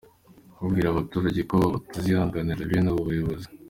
Ubwira abaturage ko batazihanganira bene abo bayobozi.